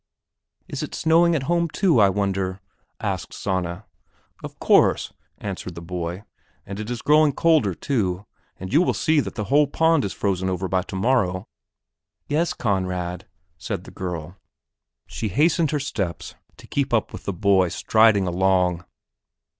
"Is it snowing at home, too, I wonder?" asked Sanna. "Of course," answered the boy, "and it is growing colder, too, and you will see that the whole pond is frozen over by tomorrow." "Yes, Conrad," said the girl. She hastened her steps to keep up with the boy striding along.